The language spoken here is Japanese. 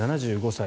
７５歳。